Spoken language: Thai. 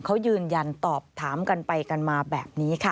เขายืนยันตอบถามกันไปกันมาแบบนี้ค่ะ